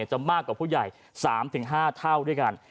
จะมากกว่าผู้ใหญ่๓๕เท่าด้วยกัน